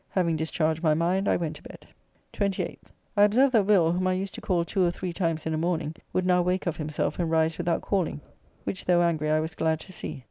Having discharged my mind, I went to bed. 28th. I observe that Will, whom I used to call two or three times in a morning, would now wake of himself and rise without calling. Which though angry I was glad to see.